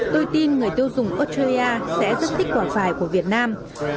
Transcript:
tôi tin người tiêu dùng australia sẽ rất tích quả vải của việt nam